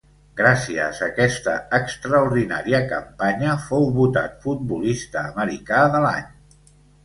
Gràcies a aquesta extraordinària campanya fou votat futbolista americà de l'any.